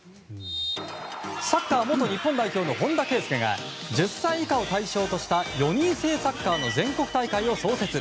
サッカー元日本代表の本田圭佑が１０歳以下を対象とした４人制サッカーの全国大会を創設。